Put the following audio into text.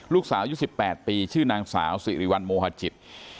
ลูกสาวยุคสิบแปดปีชื่อนางสาวสิริวัณโมฮาจิต